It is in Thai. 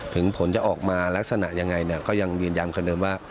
ถึงผลจะออกมาลักษณะยังไงก็ยังยืนยำคือเดิมว่า